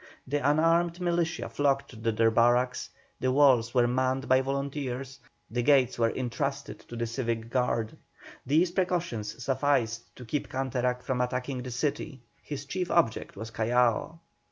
The unarmed militia flocked to their barracks, the walls were manned by volunteers, the gates were entrusted to the civic guard. These precautions sufficed to keep Canterac from attacking the city; his chief object was Callao.